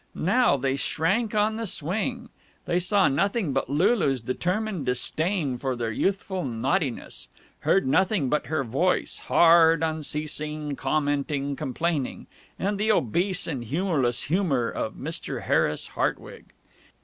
Now they shrank on the swing; they saw nothing but Lulu's determined disdain for their youthful naughtiness; heard nothing but her voice, hard, unceasing, commenting, complaining; and the obese and humorless humor of Mr. Harris Hartwig.